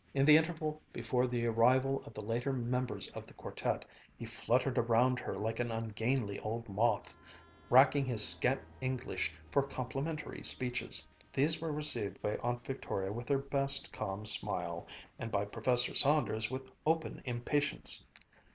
In the interval before the arrival of the later members of the quartet, he fluttered around her like an ungainly old moth, racking his scant English for complimentary speeches. These were received by Aunt Victoria with her best calm smile, and by Professor Saunders with open impatience.